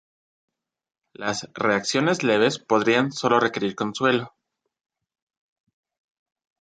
Las reacciones leves podrían sólo requerir consuelo.